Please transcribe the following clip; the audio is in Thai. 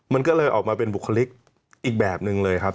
มันก็เลยออกมาเป็นบุคลิกอีกแบบหนึ่งเลยครับ